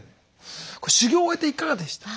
修行を終えていかがでした？